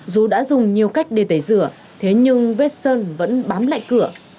dù đã dùng nhiều cách để tẩy rửa thế nhưng vết sơn vẫn bám lại cửa